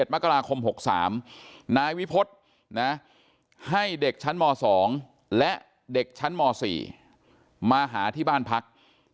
มกราคม๖๓นายวิพฤษให้เด็กชั้นม๒และเด็กชั้นม๔มาหาที่บ้านพัก